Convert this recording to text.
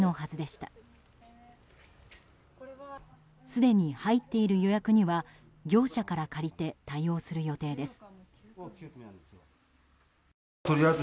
すでに入っている予約には業者から借りて対応する予定です。